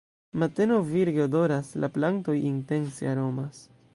Mateno virge odoras, la plantoj intense aromas.